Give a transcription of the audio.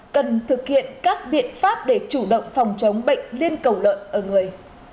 cần thực hiện các biện pháp để chủ động phòng chống bệnh liên cầu lợn ở người